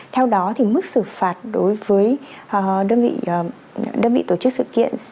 theo đó thì mức xử phạt đối với đơn vị tổ chức sự kiện